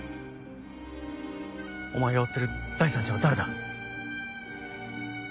お前が追ってる第三者は誰だ？